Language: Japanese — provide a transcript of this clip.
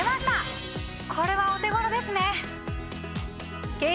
これはお手頃ですね！